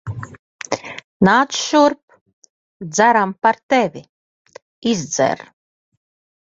Nāc šurp. Dzeram par tevi. Izdzer.